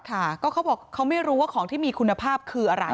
ค่ะก็เขาบอกเขาไม่รู้ว่าของที่มีคุณภาพคืออะไร